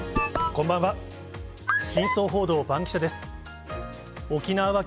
こんばんは。